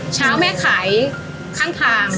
แม่ขายข้างทาง